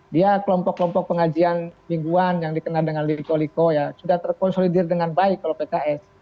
dia kelompok kelompok pengajian mingguan yang dikenal dengan liko liko ya sudah terkonsolidir dengan baik kalau pks